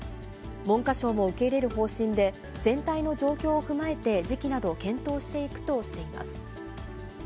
文科省も受け入れる方針で、全体の状況を踏まえて、時期など検討していくとしています。